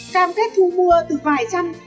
cam kết thu mua từ vài trăm